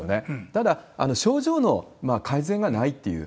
ただ、症状の改善がないっていう。